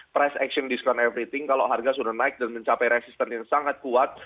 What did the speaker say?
price action discount everything kalau harga sudah naik dan mencapai resisten yang sangat kuat